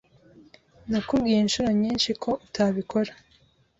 Nakubwiye inshuro nyinshi ko utabikora.